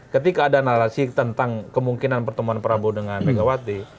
ketika ada narasi tentang kemungkinan pertemuan prabowo dengan megawati